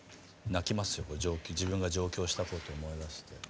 自分が上京した事思い出して。